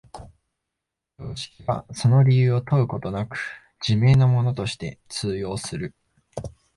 常識はその理由を問うことなく、自明のものとして通用する。